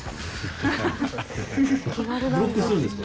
ブロックするんですか？